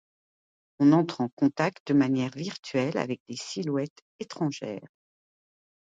On entre en contact de manière virtuelle avec des silhouettes étrangères.